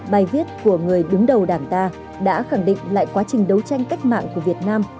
bài viết của người đứng đầu đảng ta đã khẳng định lại quá trình đấu tranh cách mạng của việt nam